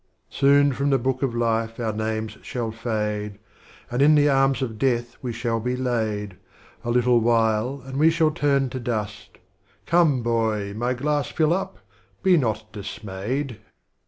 XXIX. Soon from the Book of Life our Names shall fade, And in the Arms of Death we shall be laid, A little while and we shall turn to Dust, — Come boy! my glass fill up; be not dismayed.